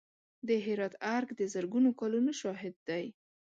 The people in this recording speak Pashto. د هرات ارګ د زرګونو کلونو شاهد دی.